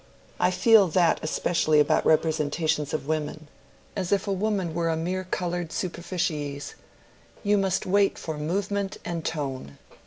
I feel that especially about representations of women. As if a woman were a mere colored superficies! You must wait for movement and tone.